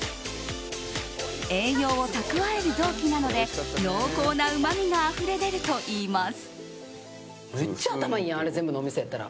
栄養を蓄える臓器なので濃厚なうまみがあふれ出るといいます。